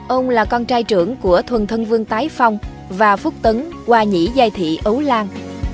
ông là con trai trưởng của thuần thân vương tái phong và phúc tấn qua nhỉ giai thị ấu lan